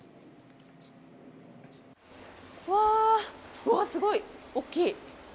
うわー、すごい、大きい。